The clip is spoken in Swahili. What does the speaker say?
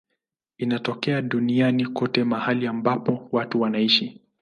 Inatokea duniani kote mahali ambapo watu wanaishi.